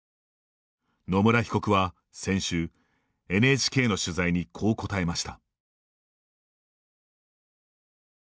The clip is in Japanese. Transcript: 野村被告は先週、ＮＨＫの取材にこう答えました。